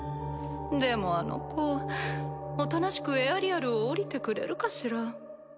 でもあの子おとなしくエアリアルを降りてくれるかしら？